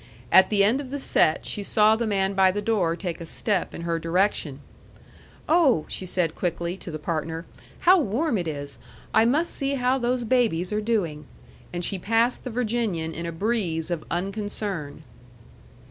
At the end of the set she saw the man by the door take a step in her direction. "Oh," said she, quickly, to the partner, "how warm it is! I must see how those babies are doing." And she passed the Virginian in a breeze of unconcern.